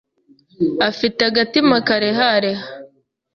afi te agatima karehareha,